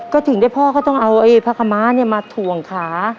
ก็ถึงได้พ่อก็ต้องเอาผ้าขม้ามาถ่วงขา